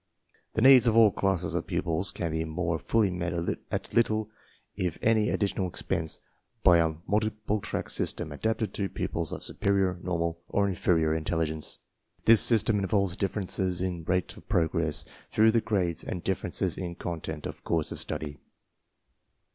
<r 3G&c4iee3s^ol u an classes of pupils can be more fully met at Kttle if any additional expense by a multiples track system adapted to pupils of superior, normal, or inferior intelligence. This system involves differences 52 TESTS AND SCHOOL REORGANIZATION in rate of progress through the grades and differences in I content of course of study.